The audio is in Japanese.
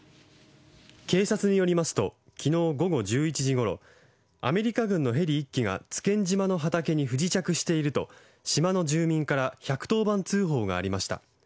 警察によりますと昨日午後１１時ごろアメリカ軍のヘリ１機が津堅島の畑に不時着していると、島の住民から１１０番通報がありました。